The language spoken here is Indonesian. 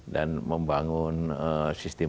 dan membangun sistem